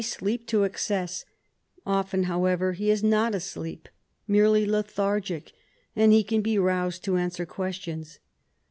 sleep to excess; often, however, he is not asleep, merely lethargic, and he can be roused to answer questions.